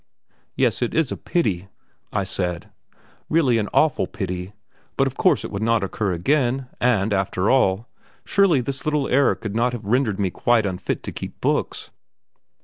"Yes, it was a pity," I said; "really an awful pity, but of course it would not occur again; and, after all, surely this little error could not have rendered me quite unfit to keep books?"